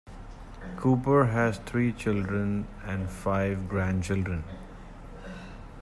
Cooper has three children and five grandchildren.